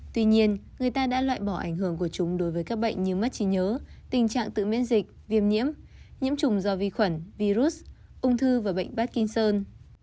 tuy nhiên người ta đã loại bỏ ảnh hưởng của chúng đối với các bệnh như mắt trí nhớ tình trạng tự miễn dịch viêm nhiễm nhiễm trùng do vi khuẩn virus ung thư và bệnh parkinson